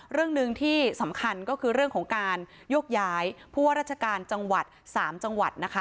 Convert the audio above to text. เรื่องหนึ่งที่สำคัญก็คือเรื่องของการโยกย้ายผู้ว่าราชการจังหวัด๓จังหวัดนะคะ